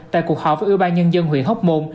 tại cuộc họp với ưu ba nhân dân huyện hóc môn